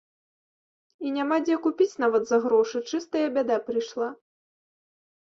І няма дзе купіць нават за грошы, чыстая бяда прыйшла.